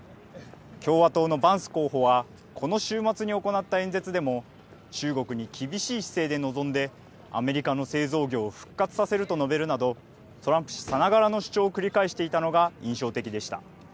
共和党のバンス候補はこの週末に行った演説でも、中国に厳しい姿勢で臨んでアメリカの製造業を復活させると述べるなど、トランプ氏さながらの主張を繰り返していたのが印象的でした。